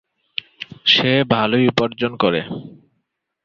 সে ভালোই উপার্জন করে।